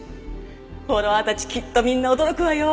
フォロワーたちきっとみんな驚くわよ。